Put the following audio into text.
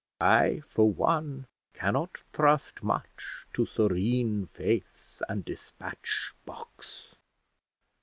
I for one cannot trust much to serene face and despatch box!